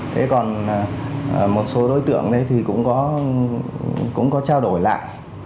thế còn một số đối tượng đấy thì cũng có trao đổi lại